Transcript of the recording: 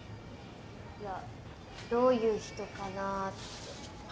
いやどういう人かなって。